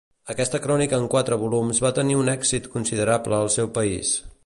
Aquesta crònica en quatre volums va tenir un èxit considerable al seu país.